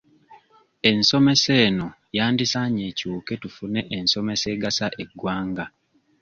Ensomesa eno yandisaanye ekyuke tufuna ensomesa egasa eggwanga.